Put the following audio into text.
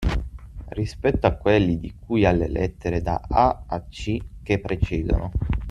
Rispetto a quelli di cui alle lettere da a) a c) che precedono.